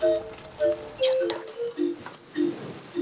ちょっと。